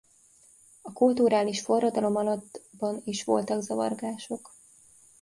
A kulturális forradalom alatt ban is voltak zavargások.